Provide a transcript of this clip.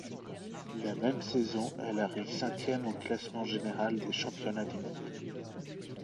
La même saison, elle arrive cinquième au classement général des Championnats du monde.